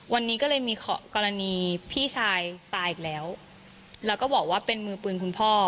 วันนี้ก็เลยมีกรณีพี่ชายตายอีกแล้วแล้วก็บอกว่าเป็นมือปืนคุณพ่อ